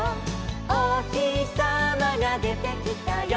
「おひさまがでてきたよ」